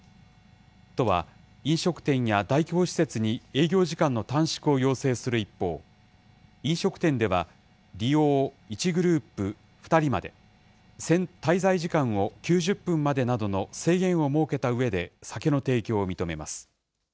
都は飲食店や大規模施設に営業時間の短縮を要請する一方、飲食店では、利用を１グループ２人まで、滞在時間を９０分までなどの制限を設けたうえで、酒の提供を認めます。